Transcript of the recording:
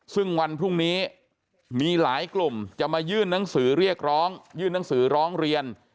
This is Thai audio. ซึ่งวันพรุ่งนี้มีหลายกลุ่มจะมายื่นหนังสือเรียกร้องยื่นหนังสือร้องเรียน